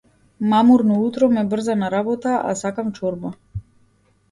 Мамурно утро ме брза на работа, а сакам чорба.